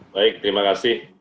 baik terima kasih